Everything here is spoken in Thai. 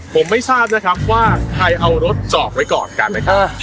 ผมไม่ทราบนะครับว่าใครเอารถจอดไว้ก่อนกันนะครับ